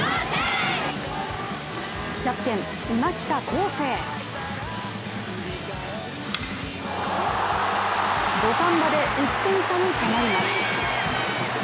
キャプテン・今北孝晟土壇場で１点差に迫ります。